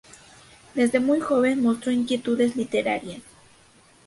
Desde muy joven mostró inquietudes literarias.